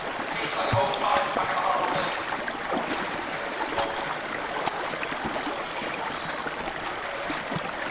"Seems like old times back at Harvard." Ellis snorted with contempt. "Such kids!" he growled.